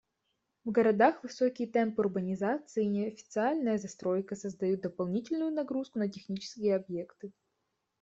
В городах высокие темпы урбанизации и неофициальная застройка создают дополнительную нагрузку на технические объекты.